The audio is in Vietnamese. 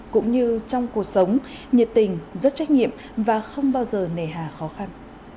cũng như trong cuộc sống nhiệt tình rất trách nhiệm và không bao giờ nề hà khó khăn